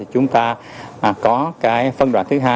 chúng ta có phân đoạn thứ hai